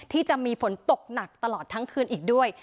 ที่จะมีฝนตกหนักตลอดทั้งคืนอีกด้วย